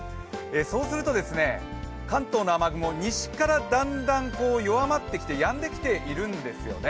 そうすると、関東の雨雲、西からだんだん弱まってきてやんできているんですよね。